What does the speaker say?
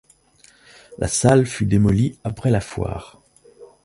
La salle fut démolie après la foire.